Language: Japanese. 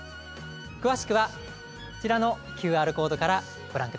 詳しくはこちらのＱＲコードからご覧ください。